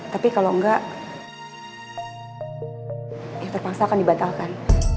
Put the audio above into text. tapi kalau enggak ya terpaksa akan dibatalkan